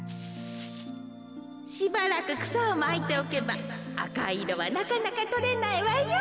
しばらくくさをまいておけばあかいいろはなかなかとれないわよ。